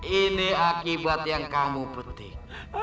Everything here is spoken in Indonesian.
ini akibat yang kamu petik